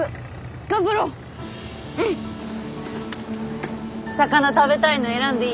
魚食べたいの選んでいいよ。